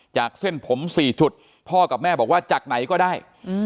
เส้นผม๔จุดพ่อกับแม่บอกว่าจากไหนก็ได้